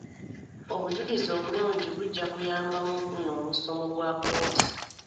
Obujulizi obulungi bujja kuyamba mu guno omusango gwa kkooti.